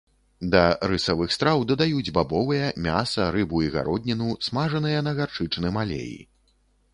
Да рысавых страў дадаюць бабовыя, мяса, рыбу і гародніну, смажаныя на гарчычным алеі.